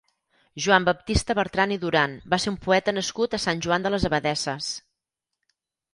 Joan Baptista Bertran i Duran va ser un poeta nascut a Sant Joan de les Abadesses.